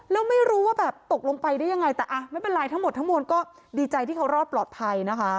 แล้วไม่รู้ว่าตกลงไปได้ยังไงแต่ไม่เป็นไรทั้งหมดดีใจที่เขารอดปลอดภัยนะคะ